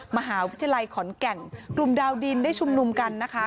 มหาวิทยาลัยขอนแก่นกลุ่มดาวดินได้ชุมนุมกันนะคะ